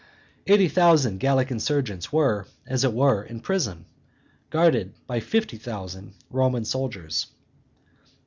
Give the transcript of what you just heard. Eighty thousand Gallic insurgents were, as it were, in prison, guarded by fifty thousand Roman soldiers.